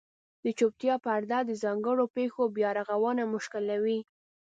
د چوپتیا پرده د ځانګړو پېښو بیارغونه مشکلوي.